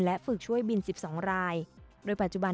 และการบริการผู้โดยสาร๑๒๗๕ราย